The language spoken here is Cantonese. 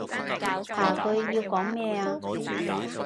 下句要講咩？